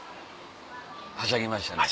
はしゃぎましたね。